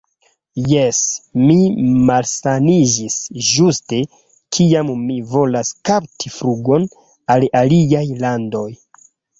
Jes, mi malsaniĝis ĝuste kiam mi volas kapti flugon al aliaj landoj